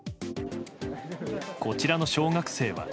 こちらの小学生は。